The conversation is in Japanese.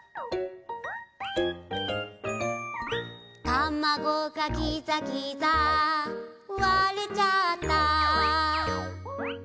「たまごがギザギザ割れちゃった」